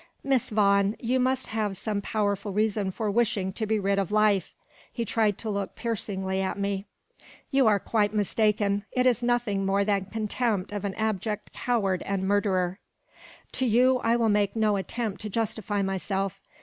"Miss Vaughan, you must have some powerful reason for wishing to be rid of life." He tried to look piercingly at me. "You are quite mistaken. It is nothing more than contempt of an abject coward and murderer." "To you I will make no attempt to justify myself.